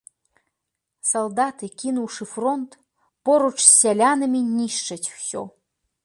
Салдаты, кінуўшы фронт, поруч з сялянамі нішчаць усё.